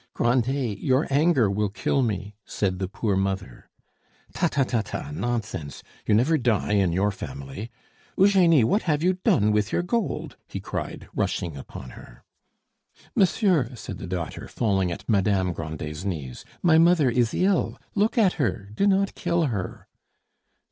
"Grandet, your anger will kill me," said the poor mother. "Ta, ta, ta, ta! nonsense; you never die in your family! Eugenie, what have you done with your gold?" he cried, rushing upon her. "Monsieur," said the daughter, falling at Madame Grandet's knees, "my mother is ill. Look at her; do not kill her."